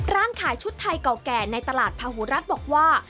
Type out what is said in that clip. ร้านขายชุดไทยเก่าแก่ในตลาดพาหูรัฐบอกว่า